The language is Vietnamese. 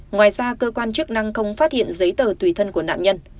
ngoài ra cơ quan chức năng không phát hiện giấy tờ tùy thân của nạn nhân